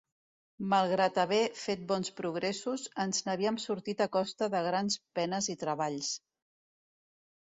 Malgrat haver fet bons progressos, ens n'havíem sortit a costa de grans penes i treballs.